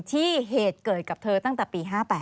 เหตุเกิดกับเธอตั้งแต่ปี๕๘